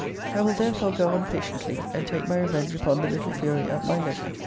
I will therefore go on patiently; and take my revenge upon the little fury at my leisure.